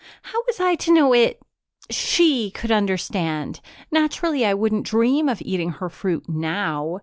How was I to know it she could understand? Naturally I wouldn't dream of eating her fruit now.